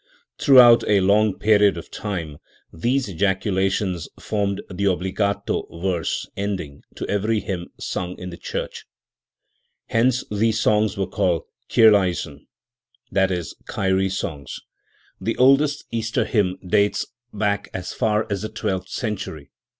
Throughout a long period of time these ejaculations formed the obbligato verse ending to every hymn sung in the church. Hence these songs were called "Kirlcisen" (i. e. Kyrie songs.) The oldest Easter hymn dates back as far as the twc?lftli century.